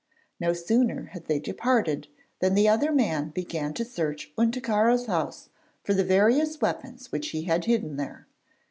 No sooner had they departed, than the other men began to search Unticaro's house for the various weapons which he had hidden there.